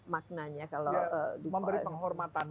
maknanya memberi penghormatan